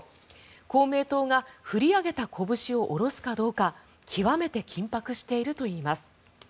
公明党が振り上げたこぶしを下ろすかどうか極めて緊迫しているといいます。